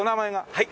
はい。